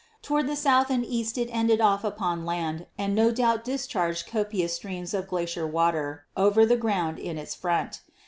Toward the south and east it ended off upon land and no doubt discharged copious streams of glacier water over the ground in its front.